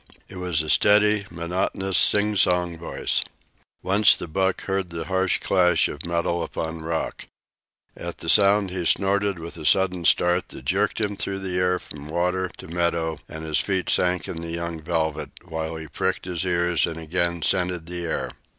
It was a steady, monotonous, singsong voice. Once the buck heard the harsh clash of metal upon rock. At the sound he snorted with a sudden start that jerked him through the air from water to meadow, and his feet sank into the young velvet, while he pricked his ears and again scented the air.